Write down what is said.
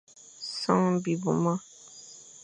Son bibmuma.